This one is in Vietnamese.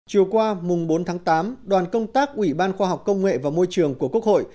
chiều qua bốn tháng tám đoàn công tác ủy ban khoa học công nghệ và môi trường của quốc hội